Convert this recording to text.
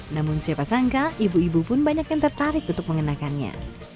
namun siapa sangka ibu ibu pun banyak yang tertarik untuk mengenakannya